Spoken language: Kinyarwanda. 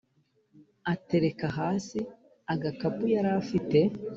atereka hasi agakapu yarafite